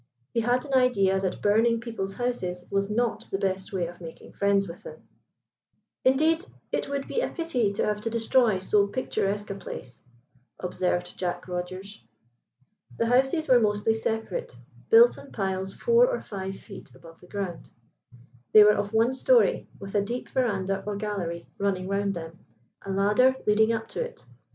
He had an idea that burning people's houses was not the best way of making friends of them. "Indeed, it would be a pity to have to destroy so picturesque a place," observed Jack Rogers. The houses were mostly separate, built on piles four or five feet above the ground. They were of one storey, with a deep verandah or gallery running round them, a ladder leading up to it.